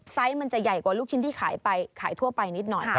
มันจะใหญ่กว่าลูกชิ้นที่ขายไปขายทั่วไปนิดหน่อย